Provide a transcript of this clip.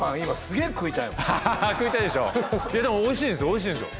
おいしいんですよ